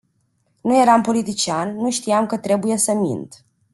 Nu eram politician, nu știam că trebuie să mint.